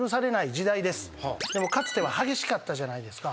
でもかつては激しかったじゃないですか。